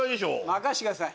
任してください！